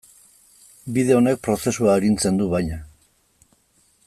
Bide honek prozesua arintzen du, baina.